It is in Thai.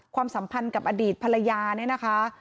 สัมพันธ์กับอดีตภรรยาเนี่ยนะคะ